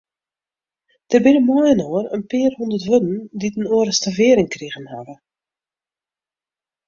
Der binne mei-inoar in pear hûndert wurden dy't in oare stavering krigen hawwe.